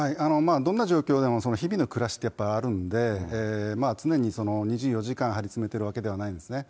どんな状況でも日々の暮らしってあるんで、常に２４時間張り詰めているわけではないんですね。